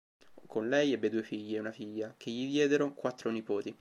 Con lei ebbe due figli e una figlia, che gli diedero quattro nipoti.